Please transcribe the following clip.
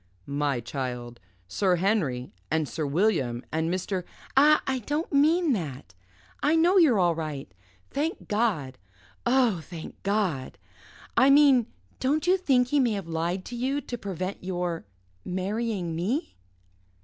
"My child Sir Henry and Sir William and Mr. " "Ah! I don't mean that. I know you're all right. Thank God! Oh, thank God! I mean, don't you think he may have lied to you to prevent your marrying me?"